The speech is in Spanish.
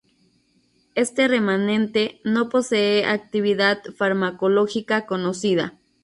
Este remanente no posee actividad farmacológica conocida.